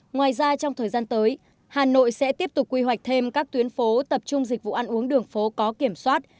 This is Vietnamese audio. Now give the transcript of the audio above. ngoài ra trong thời gian tới hà nội sẽ tiếp tục quy hoạch thêm các tuyến phố tập trung dịch vụ ăn uống đường phố có kiểm soát